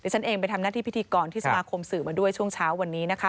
ฉันเองไปทำหน้าที่พิธีกรที่สมาคมสื่อมาด้วยช่วงเช้าวันนี้นะคะ